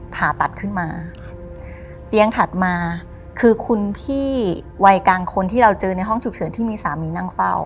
ผ่าตัดขึ้นมาเตียงถัดมาคือคุณพี่วัยกลางคนที่เราเจอในห้องฉุกเฉินที่มีสามีนั่งเฝ้า